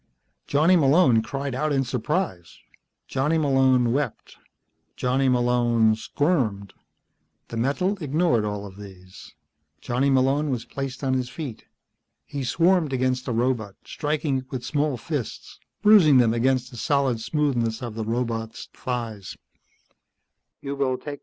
Johnny Malone cried out in surprise. Johnny Malone wept. Johnny Malone squirmed. The metal ignored all of these. Johnny Malone was placed on his feet. He swarmed against the robot, striking it with small fists, bruising them against the solid smoothness of the robot's thighs.